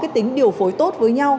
tính điều phối tốt với nhau